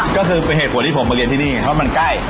ก็คือเป็นเหตุผลที่ผมมาเรียนที่นี่เพราะมันใกล้